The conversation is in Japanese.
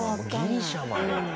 ギリシャまで。